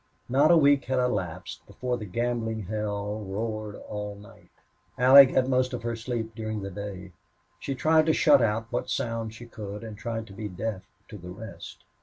Not a week had elapsed before the gambling hell roared all night. Allie got most of her sleep during the day. She tried to shut out what sound she could, and tried to be deaf to the rest.